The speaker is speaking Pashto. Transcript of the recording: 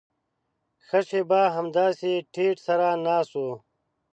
ښه شېبه همداسې ټيټ سر ناست و.